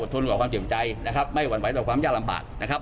ทนต่อความจริงใจนะครับไม่หวั่นไหวต่อความยากลำบากนะครับ